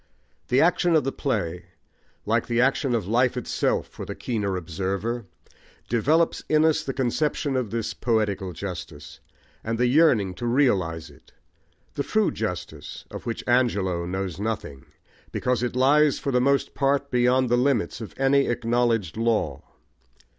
The action of the play, like the action of life itself for the keener observer, develops in us the conception of this poetical justice, and the yearning to realise it, the true justice of which Angelo knows nothing, because it lies for the most part beyond the limits of any acknowledged law.